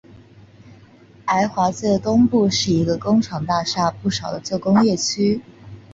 埃华街的东部是一个工厂大厦不少的旧工业区。